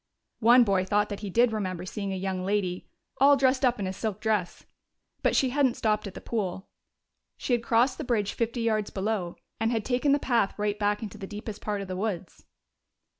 One boy thought that he did remember seeing a young lady "all dressed up in a silk dress." But she hadn't stopped at the pool; she had crossed the bridge fifty yards below and had taken the path right back into the deepest part of the woods.